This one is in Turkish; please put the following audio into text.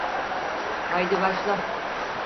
Haydi başla.